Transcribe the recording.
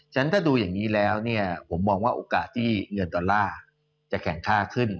ฉะนั้นถ้าดูอย่างนี้แล้วเนี่ยผมมองว่าโอกาสที่เงินดอลลาร์จะแข่งค่าขึ้น